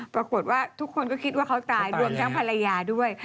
ปรากฏว่าทุกคนก็คิดว่าเขาตายรวมทั้งภรรยาด้วย